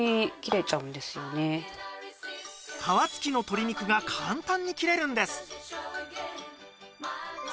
皮付きの鶏肉が簡単に切れるんです